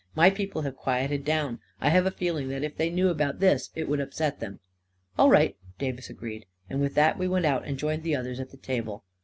My people have quieted down ; I have a feeling that if they knew about this, it would upset them." 44 All right," Davis agreed; and with that we went out and joined the others at the table.